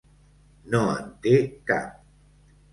No en té cap.